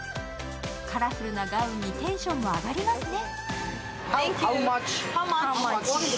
カラフルなガウンにテンションも上がりますね。